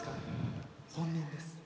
本人です。